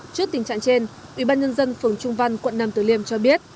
trước tình trạng trên ubnd phường trung văn quận năm từ liêm cho biết